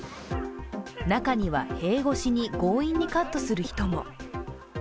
中には塀越しに強引にカットする人も。